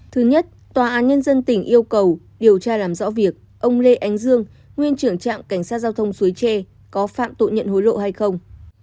thứ nhất tòa án nhân dân tỉnh yêu cầu điều tra làm rõ việc ông lê ánh dương nguyên trưởng trạm cảnh sát giao thông suối tre có phạm tội nhận hối lộ hay không